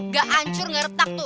gak ancur gak retak tuh